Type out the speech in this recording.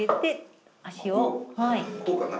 こうかな。